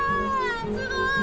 すごい！